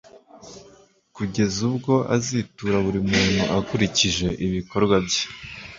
kugeza ubwo azitura buri muntu akurikije ibikorwa bye